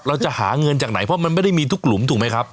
เราจะหาเงินจากไหนเพราะมันไม่ได้มีทุกหลุมถูกไหมครับ